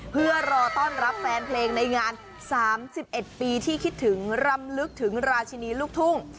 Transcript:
เพื่อรอต้อนรับแฟนเพลงในงาน๓๑ปีที่คิดถึงรำลึกถึงราชินีลูกทุ่ง